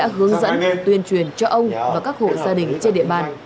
hướng dẫn tuyên truyền cho ông và các hộ gia đình trên địa bàn